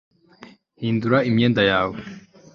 hindura imyenda yawe